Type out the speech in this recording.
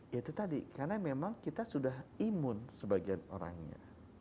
ya itu tadi karena memang kita sudah imun sebagian orangnya